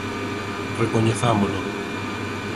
Recoñezámolo.